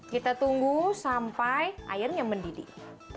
kita tunggu sampai airnya mendidih